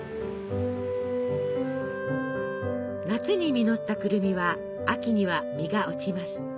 夏に実ったくるみは秋には実が落ちます。